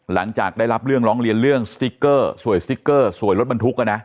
หลังจากได้รับเรื่องร้องเรียนเรื่องสติ๊กเกอร์สวยสติ๊กเกอร์สวยรถบรรทุก